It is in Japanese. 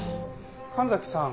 神崎さん。